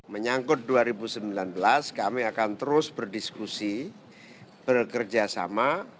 menyangkut dua ribu sembilan belas kami akan terus berdiskusi bekerja sama